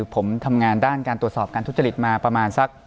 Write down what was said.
ผมทำงานด้านการตรวจสอบการทุจริตมาประมาณสัก